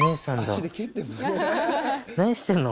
何してんの？